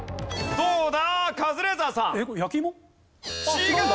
どうだ？